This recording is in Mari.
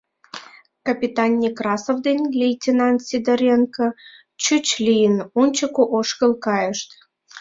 Капитан Некрасов ден лейтенант Сидоренко, чӱч лийын, ончыко ошкыл кайышт.